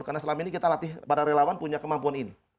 karena selama ini kita latih para relawan punya kemampuan ini